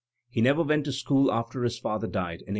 He never went to school after his father died, in 1847.